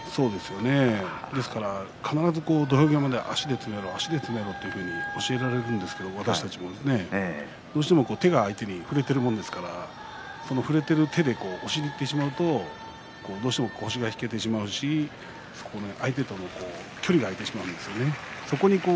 必ず土俵際まで足で攻めろと私たちも教えられるんですけれどもどうしても手が相手に触れているわけでその手で押しにいってしまうとどうしても腰が引けてしまうし相手との距離が空いてしまうんですよね。